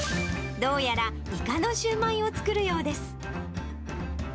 どうやらイカのシューマイを作るようです。